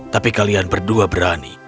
tapi kalian berdua berani